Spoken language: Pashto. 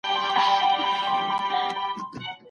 ساده ژبه تر پېچلې ژبې ښه ده.